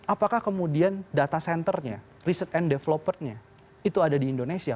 apakah kemudian data centernya research and developernya itu ada di indonesia